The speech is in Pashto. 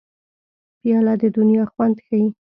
پیاله د دنیا خوند ښيي.